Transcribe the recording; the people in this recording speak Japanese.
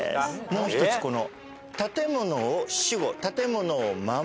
もう一つこの。